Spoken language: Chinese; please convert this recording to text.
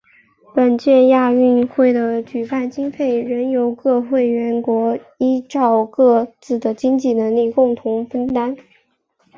本届亚运会的举办经费仍由各会员国依照各自的经济能力共同分担。